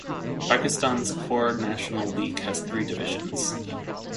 Pakistan's core national league has three divisions.